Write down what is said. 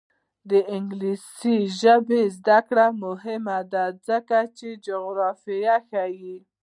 د انګلیسي ژبې زده کړه مهمه ده ځکه چې جغرافیه ښيي.